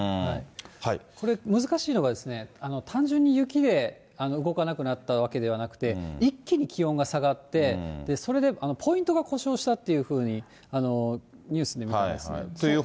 これ、難しいのが、単純に雪で動かなくなったわけではなくて、一気に気温が下がって、それでポイントが故障したというふうにニュースにありました。